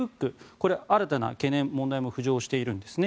これ、新たな懸念、問題も浮上しているんですね。